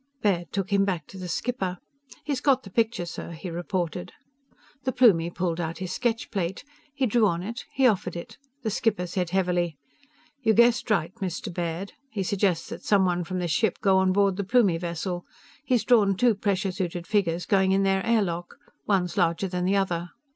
Baird took him back to the skipper. "He's got the picture, sir," he reported. The Plumie pulled out his sketch plate. He drew on it. He offered it. The skipper said heavily: "You guessed right, Mr. Baird. He suggests that someone from this ship go on board the Plumie vessel. He's drawn two pressure suited figures going in their air lock. One's larger than the other.